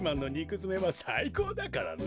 づめはさいこうだからな。